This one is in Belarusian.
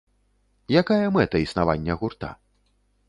Якая мэта існавання гурта?